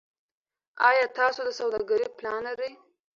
ایا تاسو د سوداګرۍ پلان لرئ.